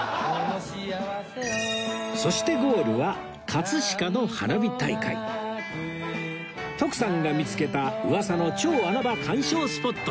そしてゴールは葛飾の花火大会徳さんが見付けた噂の超穴場観賞スポットへ